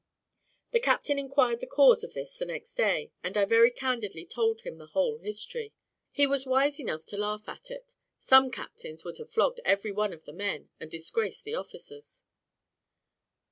The captain inquired the cause of this the next day, and I very candidly told him the whole history. He was wise enough to laugh at it; some captains would have flogged every one of the men, and disgraced the officers.